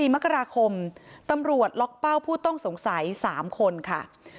๔มกราคมตำรวจล็อกเป้าผู้ต้องสงสัย๓คนค่ะ